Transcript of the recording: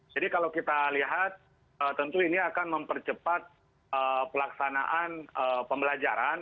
jadi kalau kita lihat tentu ini akan mempercepat pelaksanaan pembelajaran